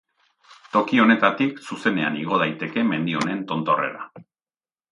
Toki honetatik zuzenean igo daiteke mendi honen tontorrera.